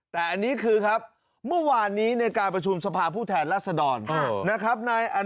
แต่อันนี้คือครับเมื่อวานนี้ในการประชุมสภาผู้แทนรัศดรนะครับ